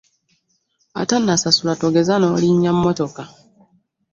Atannasasula togeza n'olinnya mmotoka.